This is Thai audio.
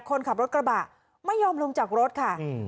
คนขับรถกระบะไม่ยอมลงจากรถค่ะ